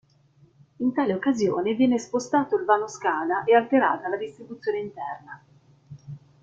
In tale occasione viene spostato il vano scala e alterata la distribuzione interna.